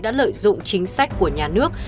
đã lợi dụng chính sách của nhà nước